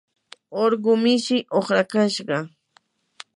urqu mishii uqrakashqa.